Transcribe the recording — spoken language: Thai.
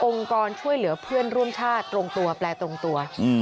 กรช่วยเหลือเพื่อนร่วมชาติตรงตัวแปลตรงตัว